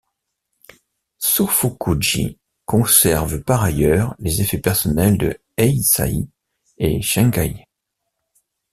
Shōfuku-ji conserve par ailleurs les effets personnels de Eisai et Sengai.